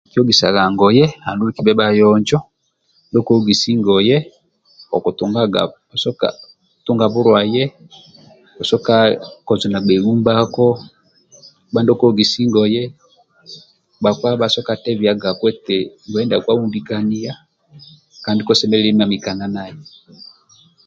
Kikiogisaga ngoye andulu kibe bhayonjo ndio ko ogisi okutungaga osoka tunga bulwaye osoka kozo agbei lumbako kabha ndio ko ogisi ngoye bhakpa bhasoka tebiagago eti ngoye ndiako alumbia kandi kosaka mamikanai nai